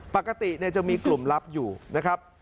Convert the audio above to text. ปกติจะมีกลุ่มลับอยู่นะครับ